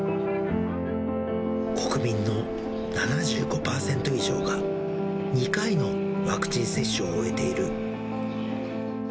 国民の７５％以上が、２回のワクチン接種を終えている。